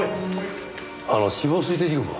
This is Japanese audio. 死亡推定時刻は？